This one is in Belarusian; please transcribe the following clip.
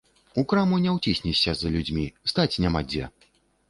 У краму не ўціснешся за людзьмі, стаць няма дзе.